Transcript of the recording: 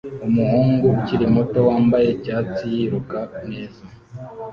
Umuhungu ukiri muto wambaye icyatsi yiruka neza